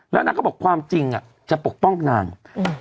แล้วนางก็บอกความจริงอ่ะจะปกป้องนางอืม